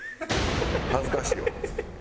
恥ずかしいわ。